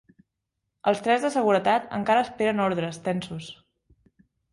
Els tres de seguretat encara esperen ordres, tensos.